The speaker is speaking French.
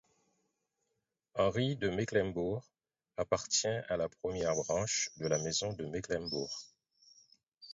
Henri de Mecklembourg appartient à la première branche de la Maison de Mecklembourg.